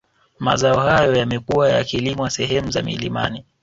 Mazao hayo yamekuwa yakilimwa sehemu za milimani